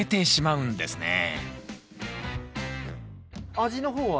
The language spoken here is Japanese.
味の方は？